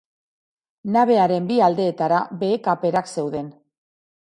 Nabearen bi aldeetara behe-kaperak zeuden.